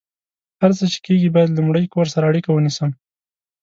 هر څه چې کیږي، باید لمړۍ کور سره اړیکه ونیسم